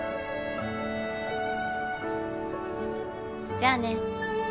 じゃあね。